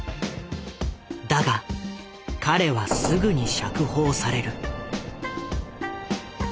だが彼はすぐに釈放される。